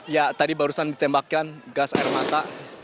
ya tadi barusan ditembakkan gas air mata